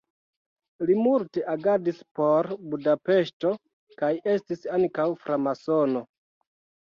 Li multe agadis por Budapeŝto kaj estis ankaŭ framasono.